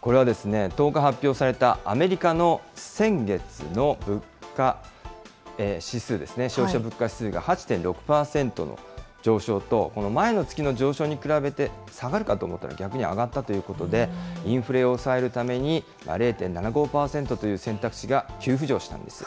これは、１０日発表された、アメリカの先月の物価指数ですね、消費者物価指数が８．６％の上昇と、前の月の上昇に比べて、下がるかと思ったら、逆に上がったということで、インフレを抑えるために、０．７５％という選択肢が急浮上したんです。